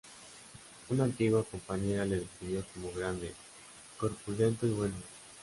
Una antigua compañera le describió como "grande, corpulento y bueno".